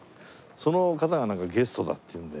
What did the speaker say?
その方がなんかゲストだっていうんで。